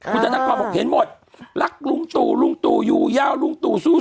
คุณธนกรบอกเห็นหมดรักลุงตู่ลุงตู่อยู่ยาวลุงตู่สู้